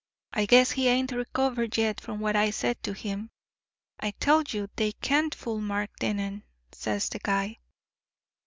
I guess he ain't recovered yet from what I said to him. I tell you, they can't fool Mark Dennen,' says the guy.